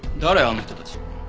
あの人たち。